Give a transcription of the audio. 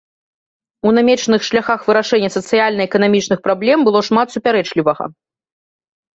У намечаных шляхах вырашэння сацыяльна-эканамічных праблем было шмат супярэчлівага.